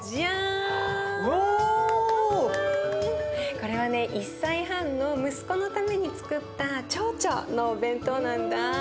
これはね１歳半の息子のためにつくったちょうちょのお弁当なんだ。